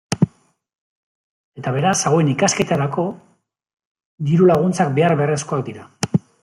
Eta beraz hauen ikasketarako diru laguntzak behar beharrezkoak dira.